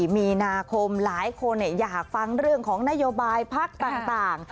มีนาคมหลายคนอยากฟังเรื่องของนโยบายพักต่าง